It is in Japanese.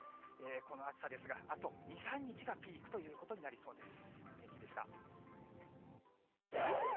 この暑さですが、あと２、３日がピークということになりそうです。